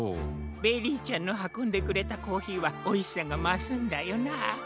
ベリーちゃんのはこんでくれたコーヒーはおいしさがますんだよなあ。